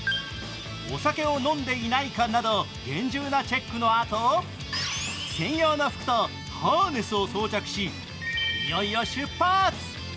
お酒を飲んでいないかなど厳重なチェックのあと専用の服とハーネスを装着し、いよいよ出発。